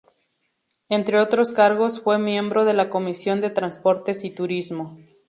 Entre otros cargos, fue miembro de la Comisión de Transportes y Turismo.